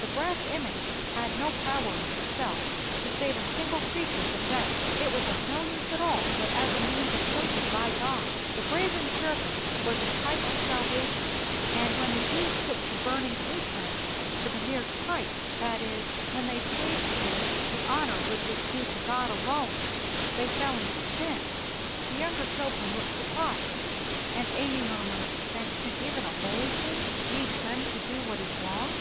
"The brass image had no power in itself to save a single creature from death; it was of no use at all but as a means appointed by God. The brazen serpent was a type of salvation; and when the Jews took to burning incense to the mere type, that is, when they paid to it the honor which is due to God alone, they fell into sin." The younger children looked surprised; and Amy murmured, "Then can even a holy thing lead men to do what is wrong?"